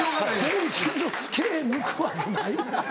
全身の毛抜くわけないやろ。